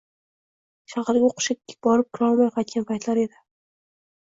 shaharga oʼqishga borib kirolmay qaytgan paytlar edi.